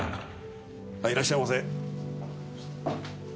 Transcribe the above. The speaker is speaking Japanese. いらっしゃいませ。